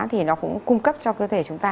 thì nó cũng cung cấp cho cơ thể chúng ta